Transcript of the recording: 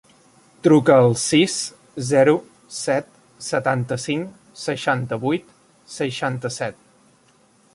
Truca al sis, zero, set, setanta-cinc, seixanta-vuit, seixanta-set.